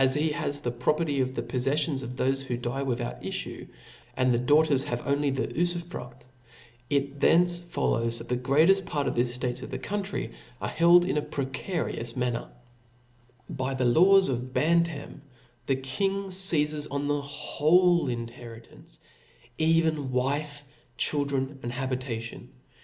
he has the property of the pofleffionsj"^^'^'^ of thofe who die without iffue, and the daughters See aifo have only the ufufruft ; it thence follows, that the J^^ otto!* greateft part of the eftatcs of the country are held nian em in a precarious manner. .^^^* By the laws of Bantam ^y the king feizes on the whole inheritance, e^en wife, children and habita tion.